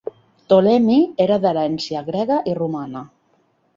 Ptolemy era d'herència grega i romana.